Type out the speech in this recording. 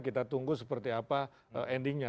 kita tunggu seperti apa endingnya